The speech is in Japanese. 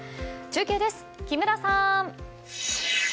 中継です、木村さん。